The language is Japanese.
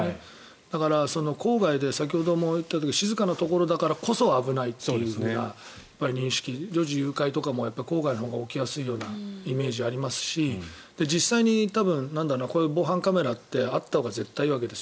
だから郊外で先ほども言っていたけど静かなところだからこそ危ないというふうな認識女児誘拐とかも郊外のほうが起きやすいイメージがありますし実際にこういう防犯カメラってあったほうが絶対いいわけです。